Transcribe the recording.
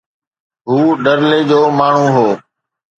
هو ڍرلي جو ماڻهو هو.